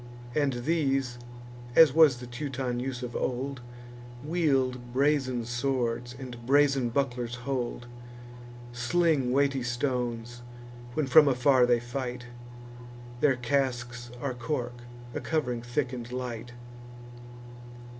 And these (as was the Teuton use of old) Wield brazen swords, and brazen bucklers hold; Sling weighty stones, when from afar they fight; Their casques are cork, a covering thick and light.